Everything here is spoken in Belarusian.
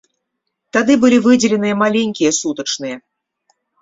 Тады былі выдзеленыя маленькія сутачныя.